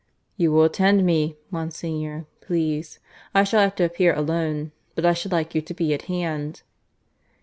"You will attend me, Monsignor, please. I shall have to appear alone, but I should like you to be at hand."